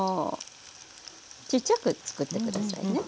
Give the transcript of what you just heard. ちっちゃく作ってくださいね。